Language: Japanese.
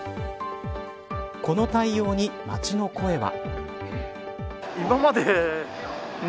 この対応に街の声は。